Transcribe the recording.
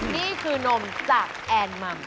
นี่คือนมจากแอนมัม